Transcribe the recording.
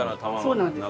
そうなんです。